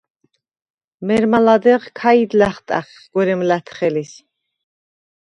მერმა ლადეღ ქაიდ ლა̈ხტა̈ხხ გვერემ ლა̈თხელის.